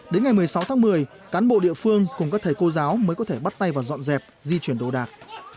đến ngày một mươi sáu tháng một mươi cán bộ địa phương cùng các thầy cô giáo mới có thể bắt tay vào dọn dẹp di chuyển đồ đạc